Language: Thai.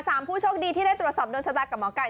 ผู้โชคดีที่ได้ตรวจสอบโดนชะตากับหมอไก่